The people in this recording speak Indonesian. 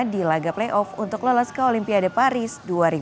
di laga playoff untuk lolos ke olimpiade paris dua ribu dua puluh